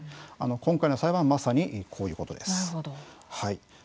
今回の裁判はまさに、こういうことです。